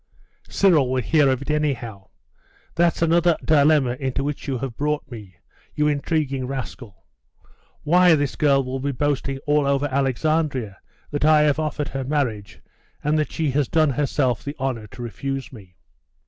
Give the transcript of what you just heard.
'Cyril will hear of it anyhow: that's another dilemma into which you have brought me, you intriguing rascal! Why, this girl will be boasting all over Alexandria that I have offered her marriage, and that she has done herself the honour to refuse me!